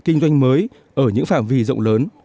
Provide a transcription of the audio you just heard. kinh doanh mới ở những phạm vị rộng lớn